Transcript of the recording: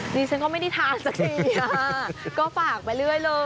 ดิฉันก็ไม่ได้ทานสักทีก็ฝากไปเรื่อยเลย